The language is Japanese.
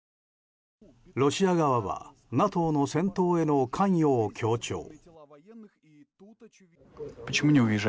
ロシア側はＮＡＴＯの戦闘への関与を強調。